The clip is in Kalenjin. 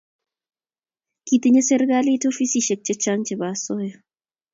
Kitinyei serikali ofisaek chechang chebo asoya.